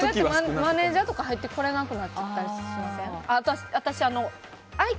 マネジャーとか入ってこれなくなっちゃいませんか？